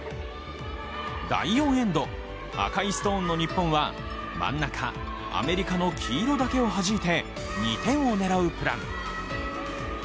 第４エンド、赤いストーンの日本は真ん中、アメリカの黄色だけをはじいて２点を狙うプラン。